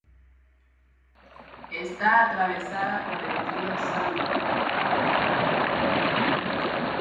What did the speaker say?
Está atravesada por el río Sambre.